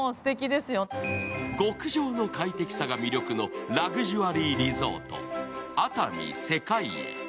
極上の快適さが魅力のラグジュアリーリゾート、ＡＴＡＭＩせかいえ。